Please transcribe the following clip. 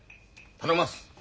頼みます。